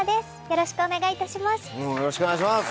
よろしくお願いします！